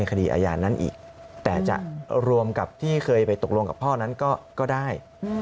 คดีอาญานั้นอีกแต่จะรวมกับที่เคยไปตกลงกับพ่อนั้นก็ได้